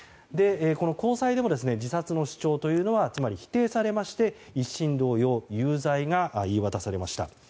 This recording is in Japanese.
この高裁でも自殺の主張はつまり否定されまして、１審同様有罪が言い渡されました。